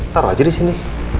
taruh aja disini